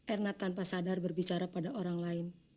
erna tanpa sadar berbicara pada orang lain